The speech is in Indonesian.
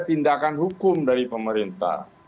tindakan hukum dari pemerintah